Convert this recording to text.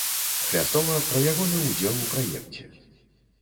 Хлястова пра ягоны ўдзел у праекце.